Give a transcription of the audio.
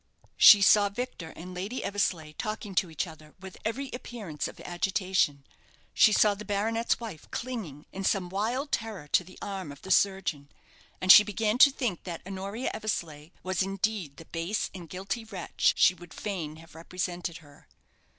She saw Victor and Lady Eversleigh talking to each other with every appearance of agitation; she saw the baronet's wife clinging, in some wild terror, to the arm of the surgeon; and she began to think that Honoria Eversleigh was indeed the base and guilty wretch she would fain have represented her.